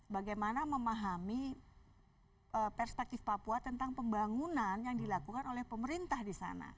bagaimana memahami perspektif papua tentang pembangunan yang dilakukan oleh pemerintah di sana